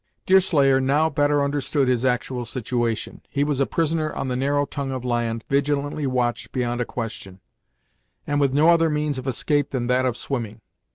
Deerslayer now better understood his actual situation. He was a prisoner on the narrow tongue of land, vigilantly watched beyond a question, and with no other means of escape than that of swimming.